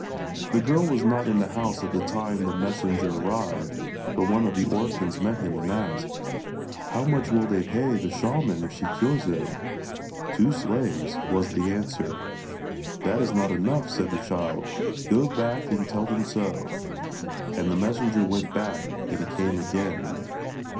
The girl was not in the house at the time that the messenger arrived, but one of the orphans met him, and asked: 'How much will they pay the shaman if she cures them?' 'Two slaves,' was the answer. 'That is not enough,' said the child; 'go back and tell them so.' And the messenger went back and came again.